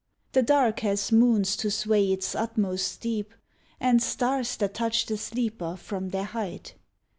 The dark has moons to sway its utmost deep, And stars that touch the sleeper from their height.